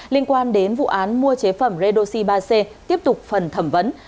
liên quan đến vụ án mua chế phẩm redoxi ba c tiếp tục phần thẩm vấn